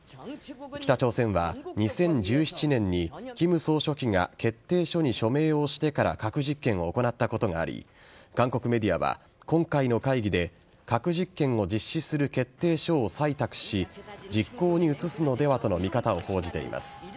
北朝鮮は２０１７年に金総書記が決定書に署名をしてから核実験を行ったことがあり韓国メディアは今回の会議で核実験を実施する決定書を採択し実行に移すのではとの見方を報じています。